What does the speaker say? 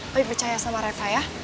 tapi percaya sama reva ya